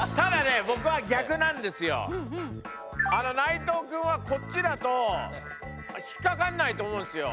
ただね内藤くんはこっちだと引っ掛かんないと思うんすよ。